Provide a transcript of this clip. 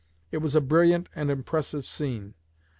It was a brilliant and impressive scene.